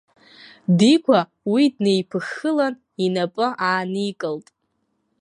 Дигәа уи днеиԥыххылан инапы ааникылт.